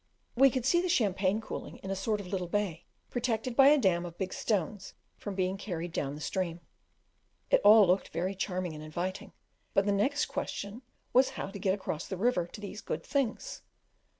We could see the champagne cooling in a sort of little bay, protected by a dam of big stones from being carried down the stream. It all looked very charming and inviting, but the next question was how to get across the river to these good things.